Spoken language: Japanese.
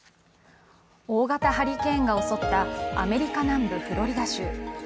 大型ハリケーンが襲ったアメリカ南部フロリダ州。